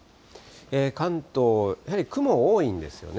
関東、やはり雲多いんですよね。